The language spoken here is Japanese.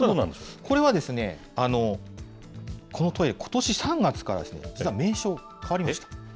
これはですね、このトイレ、ことし３月から実は名称変わりました。